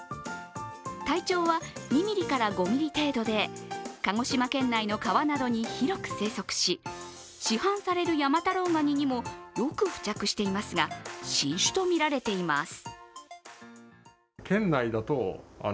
体長は２ミリから５ミリ程度で鹿児島県内の川などに広く生息し市販される山太郎ガニにもよく付着していますが、新種とみられています。